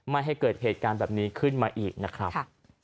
ไม่ให้เกิดเหตุการณ์แบบนี้ขึ้นมาอีกนะครับ